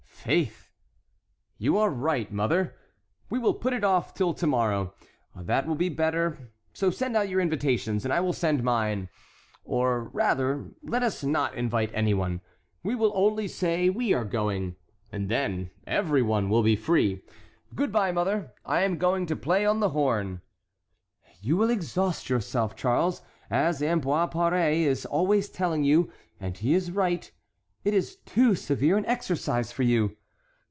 "Faith, you are right, mother, we will put it off till to morrow; that will be better, so send out your invitations and I will send mine; or rather let us not invite any one. We will only say we are going, and then every one will be free. Good by, mother! I am going to play on the horn." "You will exhaust yourself, Charles, as Ambroise Paré is always telling you, and he is right. It is too severe an exercise for you."